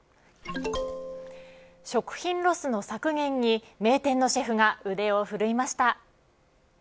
食品ロスの削減に名店のシェフが腕を振るいました。